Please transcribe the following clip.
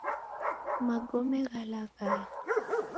Magome ghalaghaya